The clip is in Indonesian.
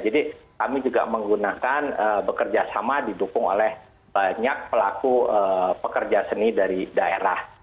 jadi kami juga menggunakan bekerja sama didukung oleh banyak pelaku pekerja seni dari daerah